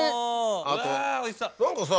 あと何かさ。